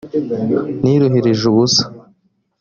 niruhirije ubusa.